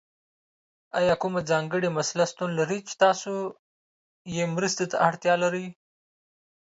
ایا کومه ځانګړې مسله شتون لري چې تاسو یې مرستې ته اړتیا لرئ؟